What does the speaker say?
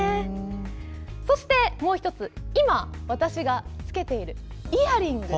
そしてもう１つ今、私が着けているイヤリング。